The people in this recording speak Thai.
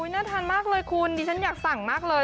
น่าทานมากเลยคุณดิฉันอยากสั่งมากเลย